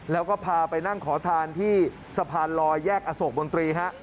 แล้วก็พาไปนั่งขอทานที่สะพานลอยแยกอโศกมนตรีฮะ